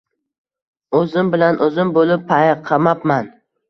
Oʻzim bilan oʻzim boʻlib payqamabman.